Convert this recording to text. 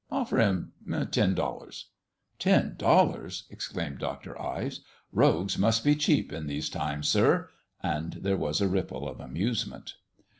Offer him ten dollars." "Ten dollars!" exclaimed Dr. Ives. "Rogues must be cheap in these times, sir!" and there was a ripple of amusement.